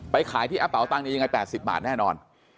ขายที่แอปเป่าตังค์นี้ยังไง๘๐บาทแน่นอน